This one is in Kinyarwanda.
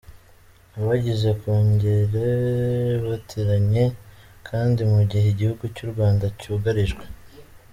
Abagize Kongere bateranye kandi mu gihe igihugu cy’u rwanda cyugarijwe